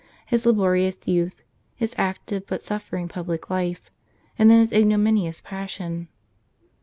His laborious youth. His active but suffering public life, and then His ignominious Passion.